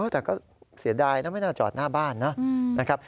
แต่ก็เสียดายนะไม่น่าจอดหน้าบ้านนะครับ